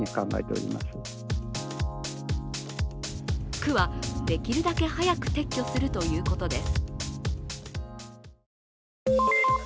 区は、できるだけ早く撤去するということです。